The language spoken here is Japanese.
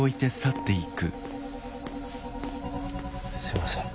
すいません。